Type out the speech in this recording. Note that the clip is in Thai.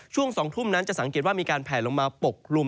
ช่วง๒ทุ่มนั้นจะสังเกตว่ามีการแผลลงมาปกกลุ่ม